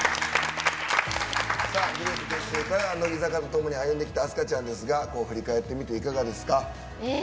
グループ結成から乃木坂とともに歩んできた飛鳥ちゃんですが振り返ってみて、いかがですか？